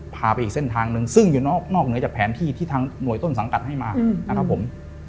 พาไปอีกเส้นทางหนึ่งซึ่งอยู่นอกเหนือจากแผนที่ที่ทางหน่วยต้นสังกัดให้มานะครับผม